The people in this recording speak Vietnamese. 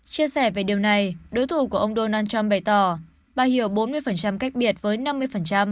chia sẻ về điều này đối thủ của ông donald trump bày tỏ bà hiểu bốn mươi cách biệt với năm mươi